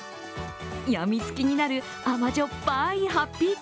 病みつきになる甘じょっぱいハッピー